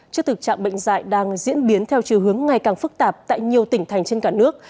trước thực trạng bệnh dạy đang diễn biến theo chư hướng ngày càng phức tạp tại nhiều tỉnh thành trên cả nước